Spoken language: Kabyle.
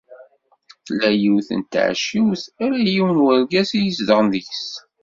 Tella yiwet n tɛecciwt ala yiwen n urgaz i izedɣen deg-s.